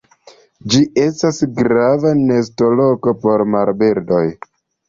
Ĝi estas grava nestoloko por marbirdoj.